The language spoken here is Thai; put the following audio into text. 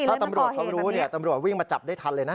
ถ้าตำรวจเขารู้เนี่ยตำรวจวิ่งมาจับได้ทันเลยนะ